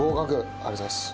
ありがとうございます。